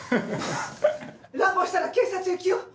乱暴したら警察行きよ！